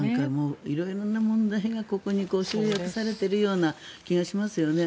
色々な問題がここに集約されているような感じがしますよね。